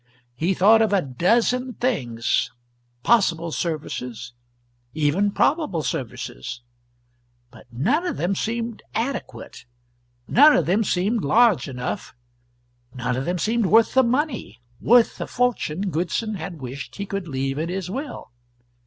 He thought of a dozen things possible services, even probable services but none of them seemed adequate, none of them seemed large enough, none of them seemed worth the money worth the fortune Goodson had wished he could leave in his will.